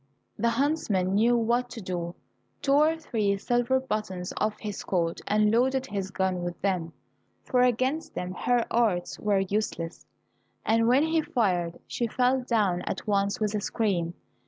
The huntsman knew what to do, tore three silver buttons off his coat, and loaded his gun with them, for against them her arts were useless, and when he fired she fell down at once with a scream.